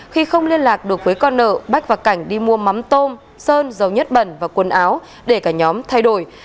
khi không liên lạc được với con nợ bách và cảnh đi mua mắm tôm sơn dầu nhất bẩn và quần áo để cả nhóm thay đổi